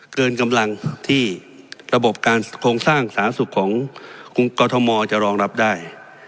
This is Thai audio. เกินกำลังที่ระบบการโครงสร้างสาธารณสุขของกรทมจะรองรับได้